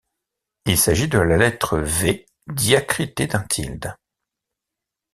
Il s’agit de la lettre V diacritée d'un tilde.